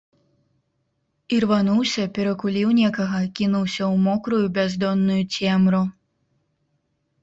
Ірвануўся, перакуліў некага, кінуўся ў мокрую, бяздонную цемру.